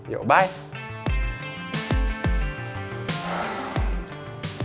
ya selamat tinggal